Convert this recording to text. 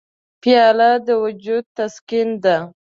پیاله د وجود تسکین ده.